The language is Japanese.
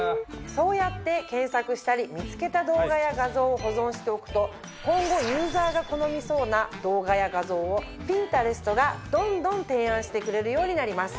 そうやって検索したり見つけた動画や画像を保存しておくと今後ユーザーが好みそうな動画や画像をピンタレストがどんどん提案してくれるようになります。